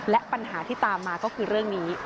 และปัญหาที่ตามมาก็คือเรื่องนี้